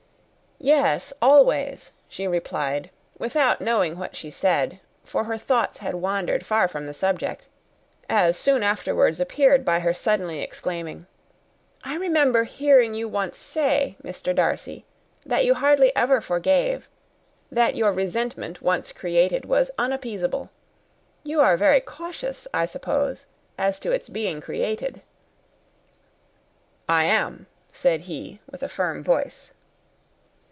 "Yes, always," she replied, without knowing what she said; for her thoughts had wandered far from the subject, as soon afterwards appeared by her suddenly exclaiming, "I remember hearing you once say, Mr. Darcy, that you hardly ever forgave; that your resentment, once created, was unappeasable. You are very cautious, I suppose, as to its being created?" "I am," said he, with a firm voice.